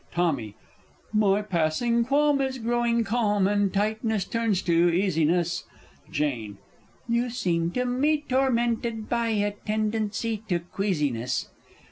Tommy. My passing qualm is growing calm, and tightness turns to easiness. Jane. You seem to me tormented by a tendency to queasiness?